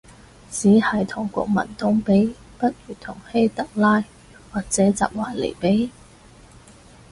只係同國民黨比？，不如同希特拉或者習維尼比